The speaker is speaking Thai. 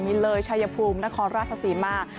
มีเลยชายภูมินครราชศรีมา